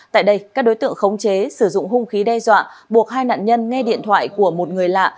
tại đây các đối tượng khống chế sử dụng hung khí đe dọa buộc hai nạn nhân nghe điện thoại của một người lạ